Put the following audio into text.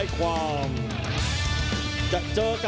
สวัสดีทุกคน